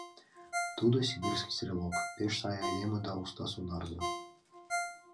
Тудо — сибирский стрелок, пеш сай айдеме да уста сонарзе.